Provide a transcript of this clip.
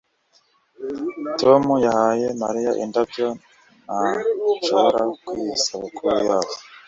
tom yahaye mariya indabyo na shokora mu isabukuru yabo